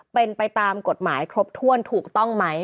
เป็นไปตามกฎหมายครบถ้วนถูกต้องไหม